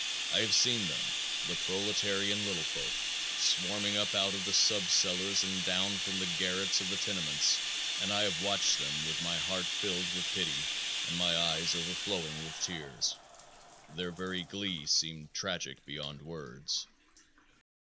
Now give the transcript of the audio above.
I have seen them, the proletarian little folks, swarming up out of the sub cellars and down from the garrets of the tenements and I have watched them with my heart filled with pity and my eyes overflowing with tears. Their very glee seemed tragic beyond words.